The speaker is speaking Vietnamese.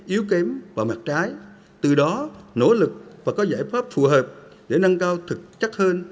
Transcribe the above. yếu kém và mặt trái từ đó nỗ lực và có giải pháp phù hợp để nâng cao thực chất hơn